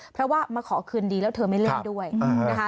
เพราะว่ามาขอคืนดีแล้วเธอไม่เล่นด้วยนะคะ